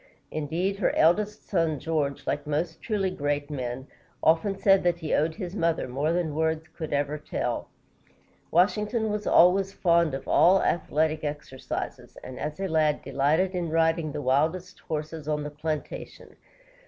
Indeed, her eldest son, George, like most truly great men, often said that he owed his mother more than words could ever tell. Washington was always fond of all athletic exercises, and as a lad delighted in riding the wildest horses on the plantation.